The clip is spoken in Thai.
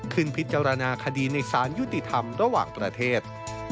ขึ้นพิจารณาคดีในสารยุติธรรมระหว่างประเทศ